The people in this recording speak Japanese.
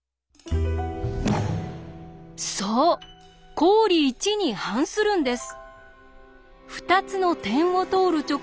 そう公理１に反するんです！